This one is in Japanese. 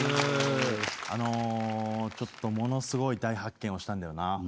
あのーちょっとものすごい大発見をしたんだよな。